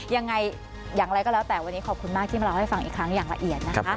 ยังไงอย่างไรก็แล้วแต่วันนี้ขอบคุณมากที่มาเล่าให้ฟังอีกครั้งอย่างละเอียดนะคะ